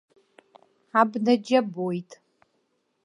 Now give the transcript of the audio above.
Абна џьабоит.